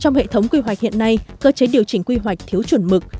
trong hệ thống quy hoạch hiện nay cơ chế điều chỉnh quy hoạch thiếu chuẩn mực